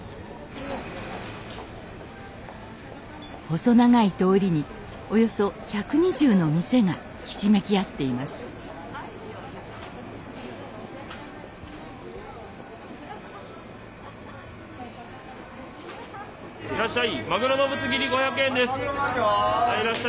細長い通りにおよそ１２０の店がひしめき合っていますいらっしゃい。